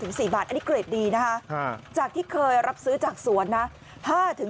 อันนี้เกรดดีนะคะจากที่เคยรับซื้อจากสวนนะ